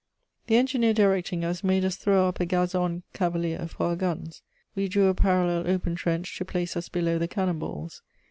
] The engineer directing us made us throw up a gazoned cavalier for our guns; we drew a parallel open trench to place us below the cannon balls.